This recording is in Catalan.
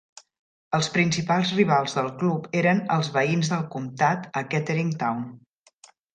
Els principals rivals del club eren els veïns del comtat a Kettering Town.